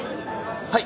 はい！